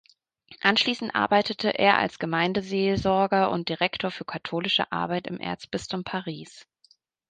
Anschließend arbeitete er als Gemeindeseelsorger und Direktor für Katholische Arbeit im Erzbistum Paris.